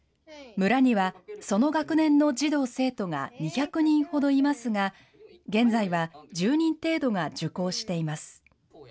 村にはその学年の児童・生徒が２００人ほどいますが、現在は１０人程度が受講しています。